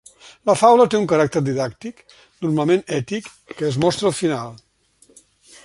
La faula té un caràcter didàctic normalment ètic que es mostra al final.